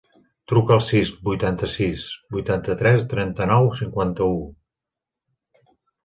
Truca al sis, vuitanta-sis, vuitanta-tres, trenta-nou, cinquanta-u.